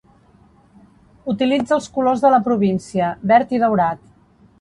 Utilitza els colors de la província, verd i daurat.